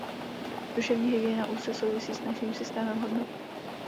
Duševní hygiena úzce souvisí s naším systémem hodnot.